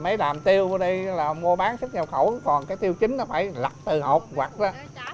mấy đàm tiêu ở đây là mua bán xuất nhau khẩu còn cái tiêu chính nó phải lật từ hột hoặc là